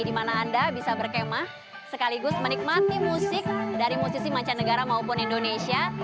di mana anda bisa berkemah sekaligus menikmati musik dari musisi mancanegara maupun indonesia